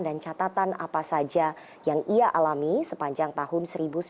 dan catatan apa saja yang ia alami sepanjang tahun seribu sembilan ratus sembilan puluh delapan